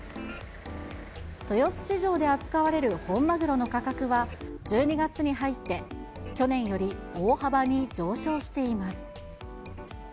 豊洲市場で扱われる本マグロの価格は１２月に入って、去年より大幅に上昇しています。